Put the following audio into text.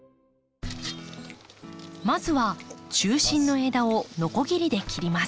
まずは中心の枝をのこぎりで切ります。